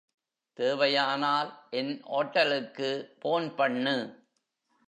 தேவையானால் என் ஓட்டலுக்கு போன் பண்ணு.